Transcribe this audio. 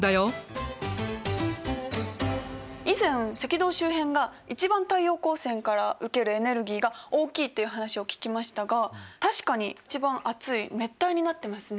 以前赤道周辺が一番太陽光線から受けるエネルギーが大きいという話を聞きましたが確かに一番暑い熱帯になってますね。